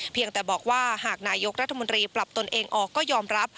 เพียงแต่บอกว่าหากนายกรัฐมนตรีปรับตนเองออกก็ยอมรับ